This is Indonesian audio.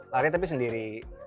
lari tapi sendiri